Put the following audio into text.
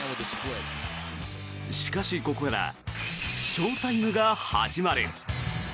しかし、ここから翔タイムが始まる。